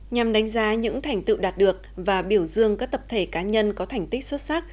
nhằm đánh giá những thành tựu đạt được và biểu dương các tập thể cá nhân có thành tích xuất sắc